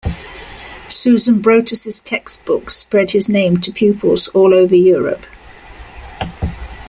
Susenbrotus' textbooks spread his name to pupils all over Europe.